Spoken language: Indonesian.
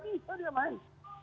nggak bisa dia main